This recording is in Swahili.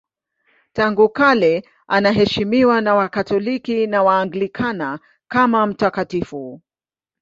Tangu kale anaheshimiwa na Wakatoliki na Waanglikana kama mtakatifu.